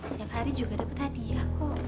setiap hari juga dapet hadiah kok